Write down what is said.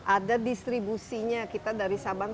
ada distribusinya kita dari sabang